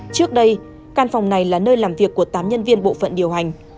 trước đây căn phòng này là nơi làm việc của tám nhân viên bộ phận điều hành